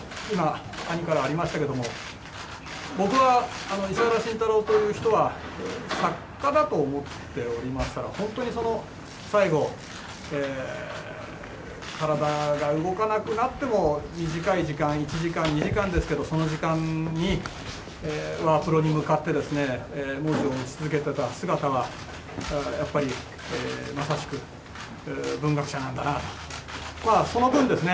今、兄からありましたけれども僕は石原慎太郎という人は作家だと思っておりましたが本当に最後体が動かなくなっても短い時間１時間、２時間ですけどその時間にワープロに向かって文字を打ち続けていた姿はやっぱりまさしく文学者なんだなと。